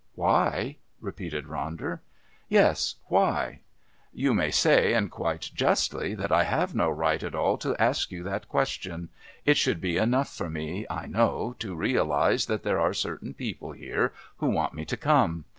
"Why?" repeated Ronder. "Yes, why? You may say, and quite justly, that I have no right at all to ask you that question. It should be enough for me, I know, to realise that there are certain people here who want me to come.